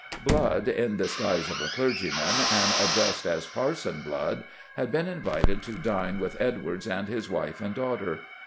Blood, in guise of a clergyman, and addressed as Parson Blood, had been invited to dine with Edwards and his wife and daughter.